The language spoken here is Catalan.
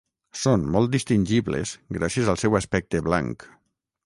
Són molt distingibles gràcies al seu aspecte blanc.